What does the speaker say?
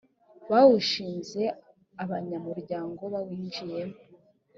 bawushinze abanyamuryango bawinjiyemo